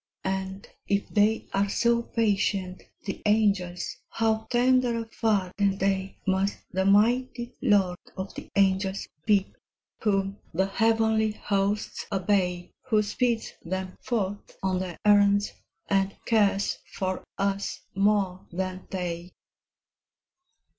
224 THE ANGELS. And if they are so patient, the angels, How tenderer far than they Must the mighty Lord of the angels be, Whom the heavenly hosts obey, Who speeds them forth on their errands, And cares for us more than they